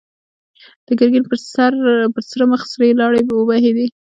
د ګرګين پر سره مخ سرې لاړې وبهېدې.